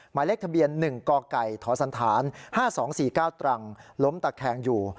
หมายเลขทะเบียน๑กไก่ทศ๕๒๔๙ตรังล้มตะแคงอยู่